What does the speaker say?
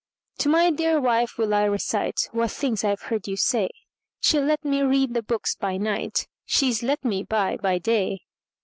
"To my dear wife will I reciteWhat things I 've heard you say; She 'll let me read the books by nightShe 's let me buy by day.